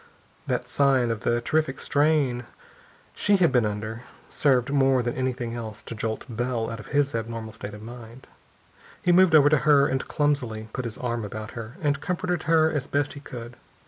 That sign of the terrific strain she had been under served more than anything else to jolt Bell out of his abnormal state of mind. He moved over to her and clumsily put his arm about her, and comforted her as best he could.